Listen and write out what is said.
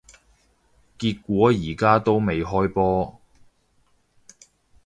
結果而家都未開波